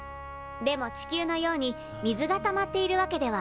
でも地球のように水がたまっているわけではありません。